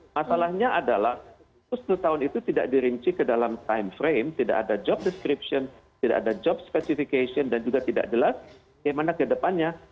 masalahnya adalah town itu tidak dirinci ke dalam time frame tidak ada job description tidak ada job specification dan juga tidak jelas bagaimana ke depannya